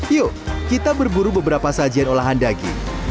yuk kita berburu beberapa sajian olahan daging